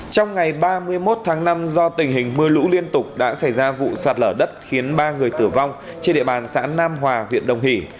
trong ngày ba mươi một tháng năm do tình hình mưa lũ liên tục đã xảy ra vụ sạt lở đất khiến ba người tử vong trên địa bàn xã nam hòa huyện đồng hỷ